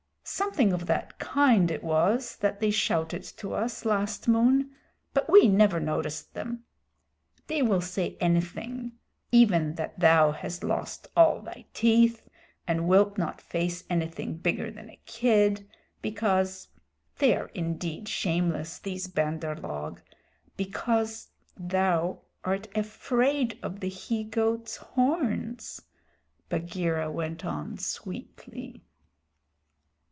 "Something of that kind it was that they shouted to us last moon, but we never noticed them. They will say anything even that thou hast lost all thy teeth, and wilt not face anything bigger than a kid, because (they are indeed shameless, these Bandar log) because thou art afraid of the he goat's horns," Bagheera went on sweetly.